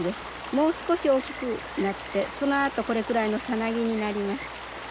もう少し大きくなってそのあとこれくらいのサナギになります。